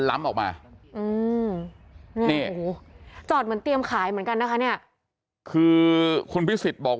ล้ำออกมาเหมือนเตรียมขายเหมือนกันนะคะคือคุณพิศิษฐ์บอก